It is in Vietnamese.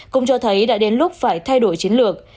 cũng cho thấy đã đến lúc phải thay đổi chiến lược